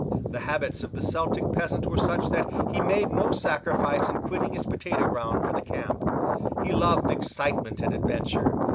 The habits of the Celtic peasant were such that he made no sacrifice in quitting his potatoe ground for the camp. He loved excitement and adventure.